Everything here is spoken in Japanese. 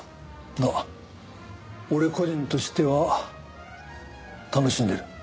が俺個人としては楽しんでる。